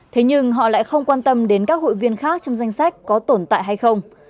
thế nhưng họ lại không quan tâm đến các hội viên khác trong danh sách có tồn tại hay không